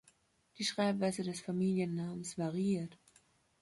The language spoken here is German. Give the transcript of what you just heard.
Die Schreibweise des Familiennamens variiert.